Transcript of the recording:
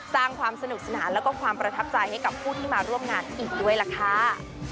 สร้างความสนุกสนานแล้วก็ความประทับใจให้กับผู้ที่มาร่วมงานอีกด้วยล่ะค่ะ